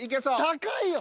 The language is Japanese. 高いよ。